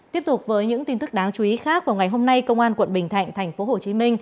tiếp tục với những tin tức đáng chú ý khác vào ngày hôm nay công an quận bình thạnh tp hcm